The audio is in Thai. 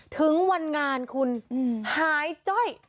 ถึงวันงานคุณหายจ้อย